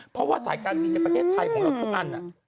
เพราะว่าสายการบินในประเทศไทยของเราทุกอัน